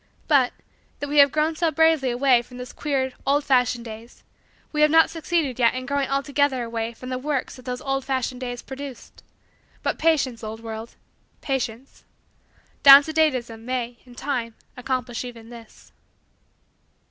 But, though we have grown so bravely away from those queer, old fashioned days we have not succeeded yet in growing altogether away from the works that those old fashioned days produced. But, patience, old world patience down to date ism may, in time, accomplish even this.